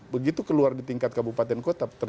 begitu keluar di tingkat kabupaten kota